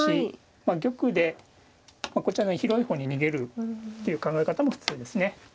まあ玉でこちらの広い方に逃げるっていう考え方も普通ですね。